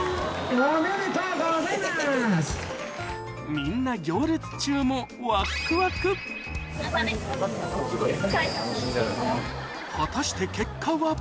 みんな行列中も果たして結果は？